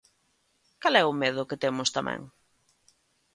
¿Cal é o medo que temos tamén?